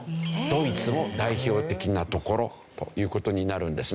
ドイツも代表的な所という事になるんですね。